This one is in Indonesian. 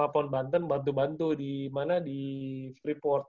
pon banten bantu bantu di mana di freeport